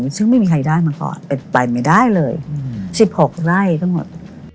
ซึ่งไม่มีใครได้มาก่อนเป็นไปไม่ได้เลย๑๖ไร่ทั้งหมด